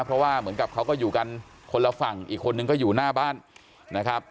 เพราะว่าเหมือนกับเขาก็อยู่กันคนละฝั่งอีกคนนึงก็อยู่หน้าบ้านนะครับ